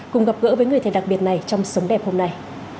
cùng gặp gỡ với người thầy đặc biệt này trong sống đẹp hôm nay